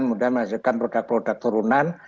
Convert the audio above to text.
kemudian menghasilkan produk produk turunan